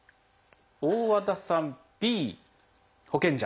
大和田さんＢ保険者。